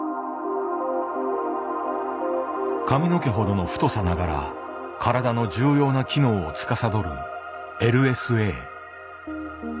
髪の毛ほどの太さながら体の重要な機能をつかさどるＬＳＡ。